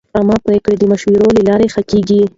عامه پریکړې د مشورې له لارې ښه کېږي.